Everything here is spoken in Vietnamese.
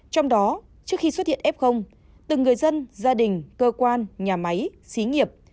trong đó trước khi xuất hiện f từng người dân gia đình cơ quan nhà máy xí nghiệp